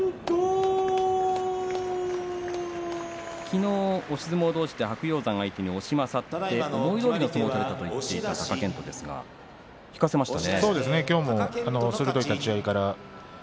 昨日、押し相撲同士で白鷹山は相手に押し勝って思いどおりの相撲を取れたと言っていた貴健斗ですが引かせましたね。